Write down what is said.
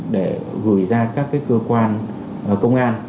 để gửi ra các cái cơ quan công an